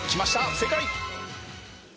正解。